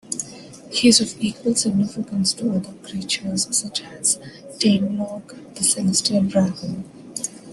He is of equal significance to other creatures such as Tianlong, the celestial dragon.